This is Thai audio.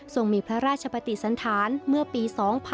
มีพระราชปฏิสันธารเมื่อปี๒๕๕๘